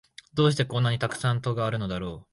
どうしてこんなにたくさん戸があるのだろう